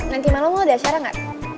nanti malem lo ada acara gak